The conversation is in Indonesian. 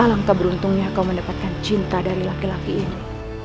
alangkah beruntungnya kau mendapatkan cinta dari laki laki ini